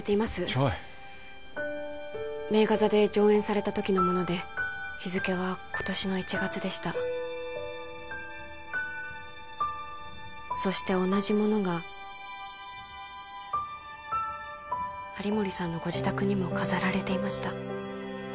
ちょい名画座で上映された時のもので日付は今年の１月でしたそして同じものが有森さんのご自宅にも飾られていました